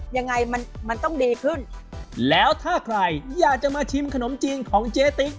ยังไงมันมันต้องดีขึ้นแล้วถ้าใครอยากจะมาชิมขนมจีนของเจ๊ติ๊ก